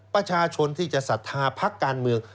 ประชาชนที่จะศรัทธาพักการเมือง